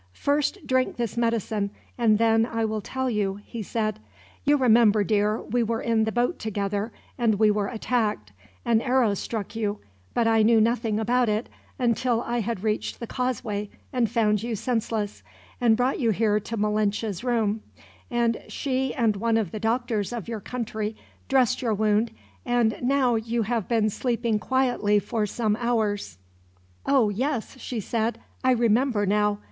"First drink this medicine, and then I will tell you," he said. "You remember, dear, we were in the boat together, and we were attacked. An arrow struck you, but I knew nothing about it until I had reached the causeway, and found you senseless, and brought you here to Malinche's room; and she and one of the doctors of your country dressed your wound, and now you have been sleeping quietly for some hours." "Oh yes," she said, "I remember now.